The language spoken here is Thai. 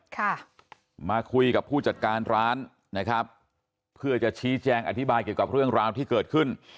ค่ะมาคุยกับผู้จัดการร้านนะครับเพื่อจะชี้แจงอธิบายเกี่ยวกับเรื่องราวที่เกิดขึ้น